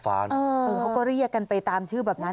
เขาก็เรียกกันไปตามชื่อแบบนั้น